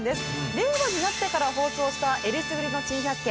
令和になってから放送したえりすぐりの珍百景。